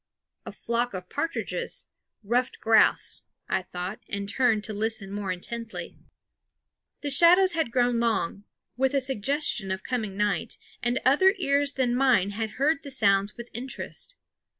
"A flock of partridges ruffed grouse," I thought, and turned to listen more intently. The shadows had grown long, with a suggestion of coming night; and other ears than mine had heard the sounds with interest.